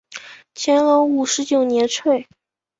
乾隆五十九年卒。